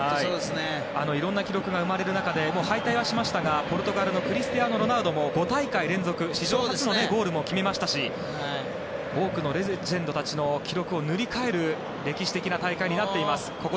いろんな記録が生まれる中で敗退はしましたがポルトガルのクリスティアーノ・ロナウドも５大会連続史上初のゴールも決めましたし多くのレジェンドたちの記録を塗り替える歴史的な大会になっています。